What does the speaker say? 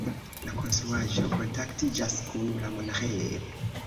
La konstruaĵo kontaktiĝas kun la monaĥejo.